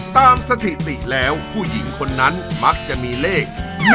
สถิติแล้วผู้หญิงคนนั้นมักจะมีเลข